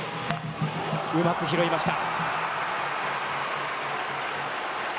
うまく拾いました。